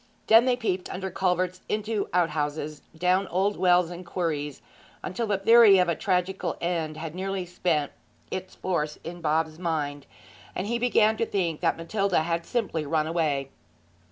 Then they peeped under culverts, into outhouses, and down old wells and quarries, till the theory of a tragical end had nearly spent its force in Bob's mind, and he began to think that Matilda had simply run away.